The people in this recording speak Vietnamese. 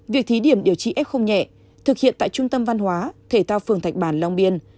việc thí điểm điều trị f nhẹ thực hiện tại trung tâm văn hóa thể thao phường thạch bản long biên